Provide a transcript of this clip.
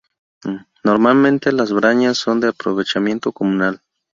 Normalmente las brañas son de aprovechamiento comunal.